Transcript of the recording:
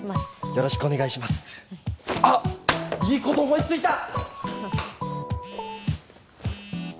よろしくお願いしますあっいいこと思いついた！